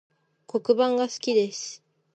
黒板が好きです